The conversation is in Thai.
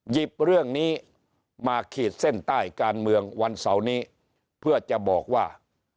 หยิบเรื่องนี้มาขีดเส้นใต้การเมืองวันเสาร์นี้เพื่อจะบอกว่า